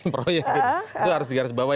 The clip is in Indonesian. proyek itu harus digarisbawahi